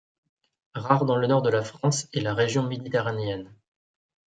Rare dans le nord de la France et la région méditerranéenne.